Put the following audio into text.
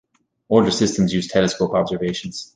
Older systems use telescope observations.